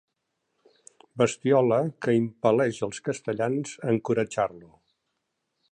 Bestiola que impel·leix els castellans a encoratjar-lo.